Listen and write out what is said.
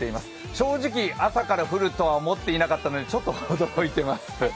正直、朝から降るとは思ってなかったので、ちょっと驚いています。